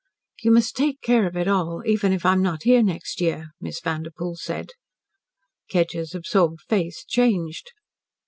"You must take care of it all even if I am not here next year," Miss Vanderpoel said. Kedgers' absorbed face changed.